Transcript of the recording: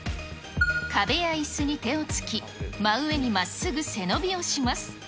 壁やいすに手をつき、真上にまっすぐ背伸びをします。